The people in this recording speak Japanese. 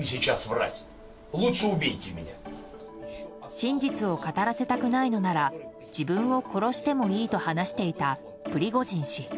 真実を語らせたくないのなら自分を殺してもいいと話していたプリゴジン氏。